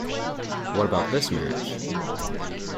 What about this match?